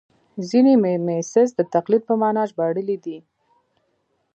ځینې میمیسیس د تقلید په مانا ژباړلی دی